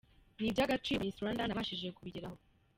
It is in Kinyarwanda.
Ni iby’agaciro kuko nka miss Rwanda nabashije kubigeraho.